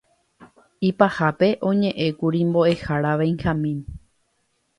Ipahápe oñe'ẽkuri mbo'ehára Benjamín